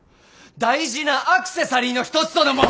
大事なアクセサリーの一つとでも！